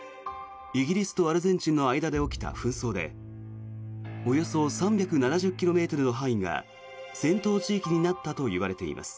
イギリスとアルゼンチンの間で起きた紛争でおよそ３７０ｋｍの範囲が戦闘地域になったといわれています。